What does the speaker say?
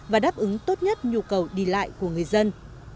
và đáp ứng tốt nhất nhu cầu đi lại của người dân